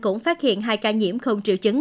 cũng phát hiện hai ca nhiễm không triệu chứng